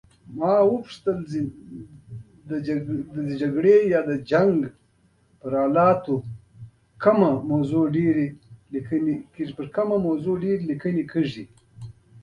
ما وپوښتل په جګړه ایزو حالاتو کې پر کومه موضوع ډېرې لیکنې کیږي.